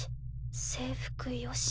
制服よし。